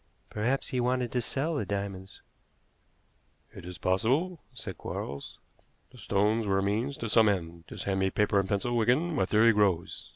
"Perhaps he wanted to sell the diamonds." "It is possible," said Quarles. "The stones were a means to some end. Just hand me paper and a pencil, Wigan. My theory grows.